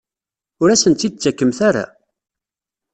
Ur asen-tt-id-tettakemt ara?